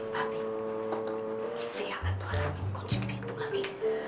papi siang antara aku yang kunci pintu lagi